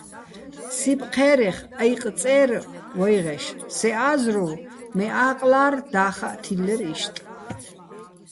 სიპ ჴე́რეხ აჲყი̆ წე́რ ვაჲღეშ, სე ა́ზრუვ, მე ა́ყლა́რ და́ხაჸ თილლერ იშტ.